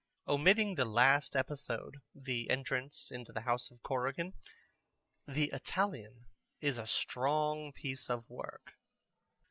Omitting the last episode, the entrance into the house of Corrigan, The Italian is a strong piece of work.